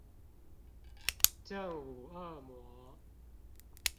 正午惡魔